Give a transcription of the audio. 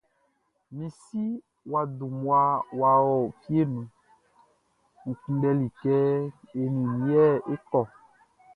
Mi si wʼa dun mmua wʼa ɔ fieʼn nun N kunndɛli kɛ e nin i é kɔ́.